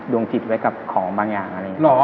ดวงจิตไว้กับของบางอย่าง